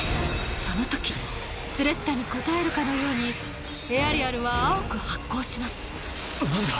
そのときスレッタに応えるかのようにエアリアルは青く発光しますなんだ？